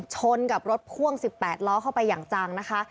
ชนกับรถพ่วง๑๘ล้อเข้าไปอย่างจังนะคะ